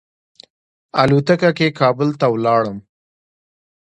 الوتکه کې کابل ته ولاړم.